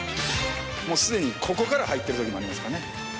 もうすでにここから入ってる時もありますからね。